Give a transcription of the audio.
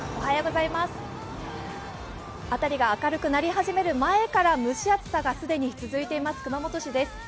辺りが明るくなり始める前から、蒸し暑さが既に続いています、熊本市です。